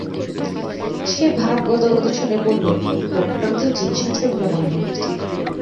সে ভাব-গদগদ স্বরে বলল, লোকটার ভেতর জিনিস আছে বলে মনে হচ্ছে।